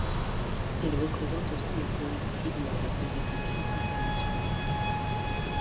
Il représente aussi la Corée du Sud lors des compétitions internationales.